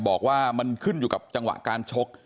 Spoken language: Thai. บอกว่ามันขึ้นอยู่กับจังหวะการชก